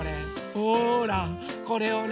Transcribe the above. ほらこれをね